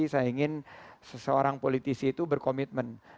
saya ingin seseorang politisi itu berkomitmen